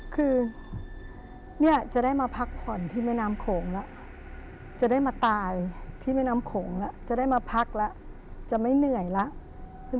คือเนี่ยจะได้มาพักผ่อนที่แม่น้ำโขงแล้วจะได้มาตายที่แม่น้ำโขงแล้วจะได้มาพักแล้วจะไม่เหนื่อยแล้ว